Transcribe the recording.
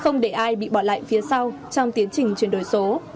không để ai bị bỏ lại phía sau trong tiến trình chuyển đổi số